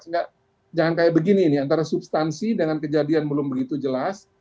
enggak jangan kayak begini ini antara substansi dengan kejadian belum begitu jelas